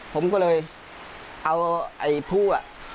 ผมก็เลยเอาไอ้ผู้